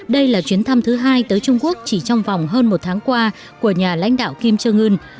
đây là chuyến thăm thứ hai tới trung quốc chỉ trong vòng hơn một tháng qua của nhà lãnh đạo kim trương ưn